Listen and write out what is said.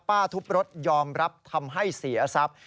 ทุบรถยอมรับทำให้เสียทรัพย์